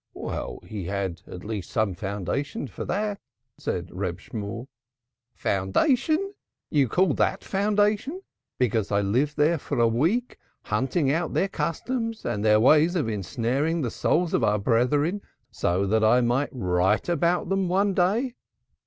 "Well, he had at least some foundation for that," said Reb Shemuel. "Foundation! Do you call that foundation because I lived there for a week, hunting out their customs and their ways of ensnaring the souls of our brethren, so that I might write about them one day?